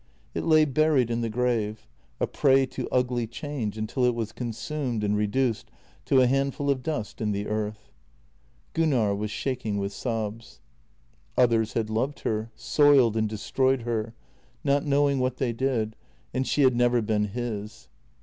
It lay buried in the grave, a prey to ugly change until it was consumed and reduced to a handful of dust in the earth. Gunnar was shaking with sobs. Others had loved her, soiled, and destroyed her, not knowing what they did — and she had never been his.